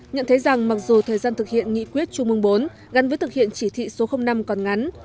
nhận thấy rằng mặc dù thời gian thực hiện nghị quyết trung mương bốn gắn với thực hiện chỉ thị số năm còn ngắn